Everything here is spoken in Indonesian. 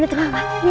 raden arya kemuni